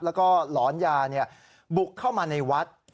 แล้วก็หลอนยาบุกเข้ามาในวัด